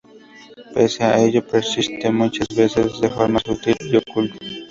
Pese a ello, persiste muchas veces de forma sutil y oculta.